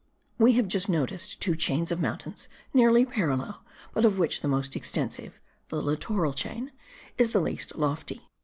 We have just noticed two chains of mountains nearly parallel but of which the most extensive (the littoral chain) is the least lofty.